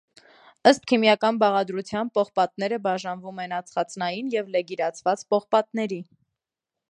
Ըստ քիմիական բաղադրության պողպատները բաժանվում են ածխածնային և լեգիրացված պողպատների։